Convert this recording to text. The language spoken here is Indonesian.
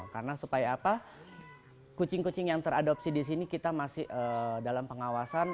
karena supaya apa kucing kucing yang teradopsi di sini kita masih dalam pengawasan